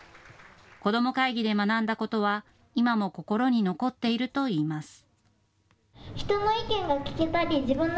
子ども会議で学んだことは今も心に残っているといいます。